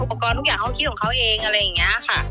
อุปกรณ์ทุกอย่างเขาคิดของเขาเองอะไรอย่างนี้ค่ะ